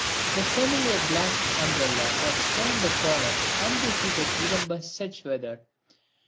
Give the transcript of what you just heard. The familiar black umbrella has turned the corner undefeated even by such weather!